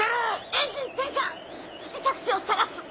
エンジン点火不時着地を探す。